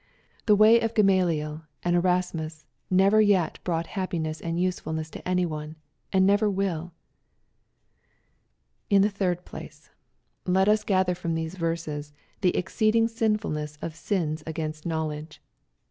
The way of Gamaliel and Erasmus never yet brought lappiness and usefulness to any one, and never wilL In the third place, let us gather from these verses the \tceeding sinfulness of sins against knowledge.